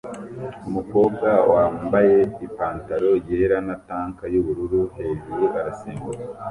Umukobwa wambaye ipantaro yera na tank yubururu hejuru arasimbuka